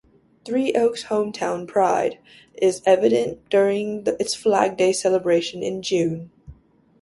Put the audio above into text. Three Oaks' hometown pride is evident during its Flag Day Celebration in June.